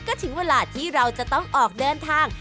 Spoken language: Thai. ก็ถึงเวลาที่เราจะต้องออกเดินทาง